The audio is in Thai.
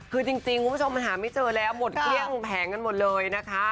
คือจริงคุณผู้ชมมันหาไม่เจอแล้วหมดเกลี้ยงแผงกันหมดเลยนะคะ